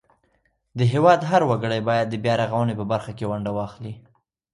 د هیواد هر وګړی باید د بیارغونې په برخه کې ونډه واخلي.